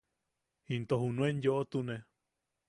Into junuen yoʼotune.